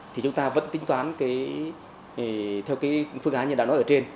thì chúng ta vẫn tinh toán theo phương án như đã nói ở trên